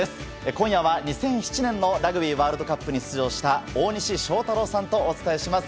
今夜は２００７年のラグビーワールドカップに出場した大西将太郎さんとお伝えします。